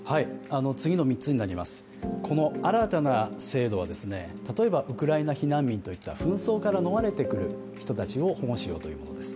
次の３つになります、この新たな制度は例えばウクライナ避難民といった紛争から逃れてくる人たちを保護しようというものです。